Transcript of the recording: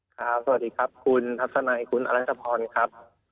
สวัสดีครับคุณทัศนัยคุณอรัชพรครับ